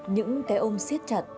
những cái ôm siết chặt